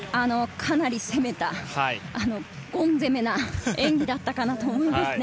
かなり攻めた、ゴン攻めな演技だったかなと思います。